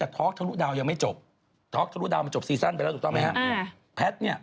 แต่คือแพทย์เนี้ย